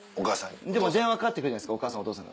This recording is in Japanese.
でも電話かかってくるじゃないですかお母さんお父さん。